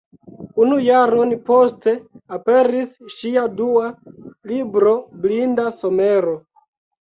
Unu jaron poste aperis ŝia dua libro Blinda somero.